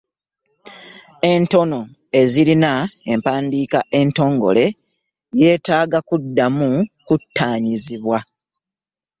Entono ezirina empandiika entongole, yeetaaga kuddamu kuttaanyizibwa.